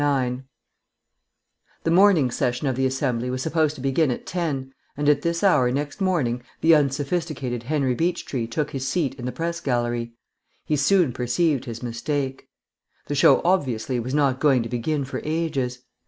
9 The morning session of the Assembly was supposed to begin at ten, and at this hour next morning the unsophisticated Henry Beechtree took his seat in the Press Gallery. He soon perceived his mistake. The show obviously was not going to begin for ages.